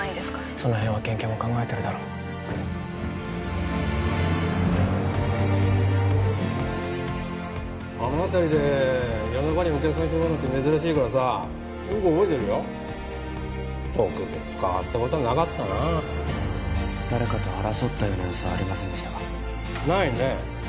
その辺は県警も考えてるだろ行くぞあの辺りで夜中にお客さん拾うのって珍しいからさよく覚えてるよ特別変わったことはなかったな誰かと争ったような様子はありませんでしたかないね